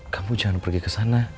kamu jangan pergi kesana